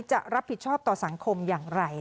จะรับผิดชอบต่อสังคมอย่างไร